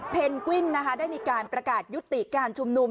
กวินนะคะได้มีการประกาศยุติการชุมนุม